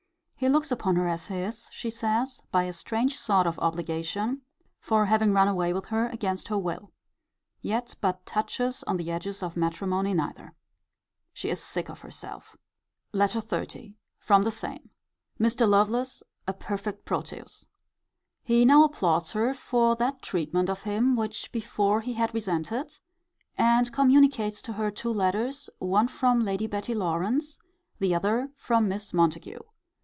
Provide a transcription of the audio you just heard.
He looks upon her as his, she says, by a strange sort of obligation, for having run away with her against her will. Yet but touches on the edges of matrimony neither. She is sick of herself. LETTER XXX. From the same. Mr. Lovelace a perfect Proteus. He now applauds her for that treatment of him which before he had resented; and communicates to her two letters, one from Lady Betty Lawrance, the other from Miss Montague.